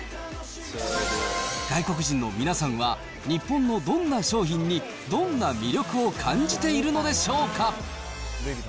外国人の皆さんは、日本のどんな商品に、どんな魅力を感じているのでしょうか。